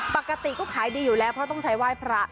ปกติก็ขายดีอยู่แล้วเพราะต้องใช้ไหว้พระ